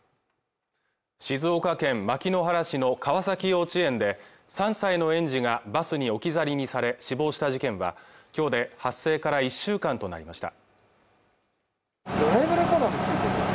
静岡県牧之原市の川崎幼稚園で３歳の園児がバスに置き去りにされ死亡した事件はきょうで発生から１週間となりました